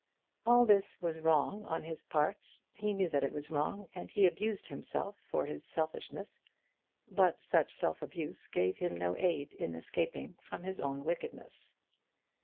All this was wrong on his part. He knew that it was wrong, and he abused himself for his own selfishness. But such self abuse gave him no aid in escaping from his own wickedness.